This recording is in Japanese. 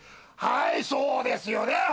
はいそうですよね！